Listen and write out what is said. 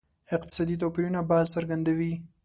اقتصادي توپیرونو بحث څرګند دی.